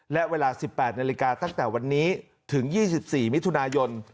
และเวลา๑๘นาฬิกาตั้งแต่วันนี้ถึง๒๔มิถุนายน